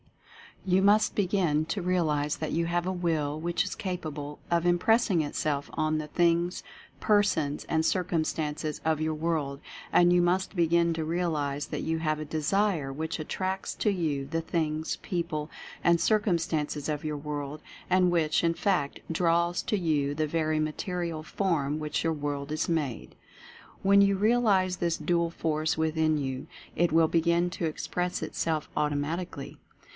You must begin to realize that you have a WILL which is capable of impressing it self on the things, persons and circumstances of your world — and you must begin to realize that you have a DESIRE which attracts to you the things, people and circumstances of your world, and which, in fact, draws to you the very material from which your world is made. When you realize this dual force within you, it will begin to express itself automatically.